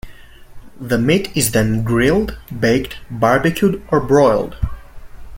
The meat is then grilled, baked, barbecued, or broiled.